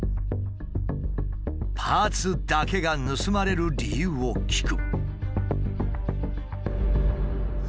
パーツだけが盗まれる理由を聞く。